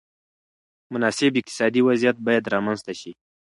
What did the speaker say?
مناسب اقتصادي وضعیت باید رامنځته شي.